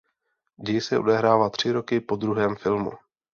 Děj se odehrává tři roky po druhém filmu.